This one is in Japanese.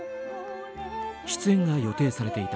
出演が予定されていた